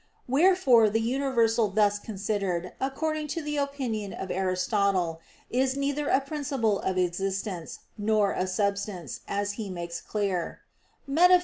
Wherefore the universal thus considered, according to the opinion of Aristotle, is neither a principle of existence, nor a substance, as he makes clear (Metaph.